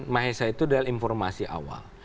mahesa itu adalah informasi awal